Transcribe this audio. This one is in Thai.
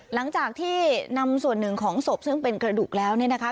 หลังจากที่นำส่วนหนึ่งของศพซึ่งเป็นกระดูกแล้วเนี่ยนะคะ